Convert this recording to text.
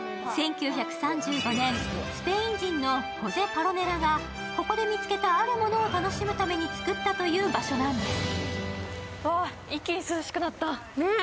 １９３５年、スペイン人のホゼ・パロネラがここで見つけたあるものを楽しむために作ったという場所なんです。